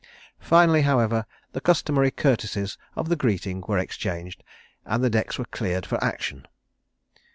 Finally, however, the customary courtesies of the greeting were exchanged, and the decks were cleared for action.